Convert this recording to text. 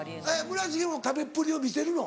村重も食べっぷりを見せるの？